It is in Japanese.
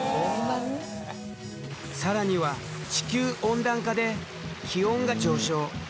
更には地球温暖化で気温が上昇。